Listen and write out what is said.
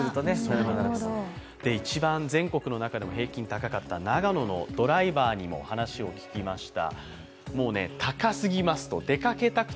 一番全国の中でも平均高かった長野のドライバーにも話を聞きました。